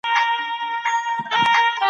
یوه ورځ به د ښکاري چړې ته لویږي